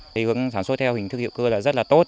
thì hướng sản xuất theo hình thức hiệu cơ là rất là tốt